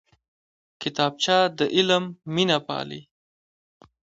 کتابچه د علم مینه پالي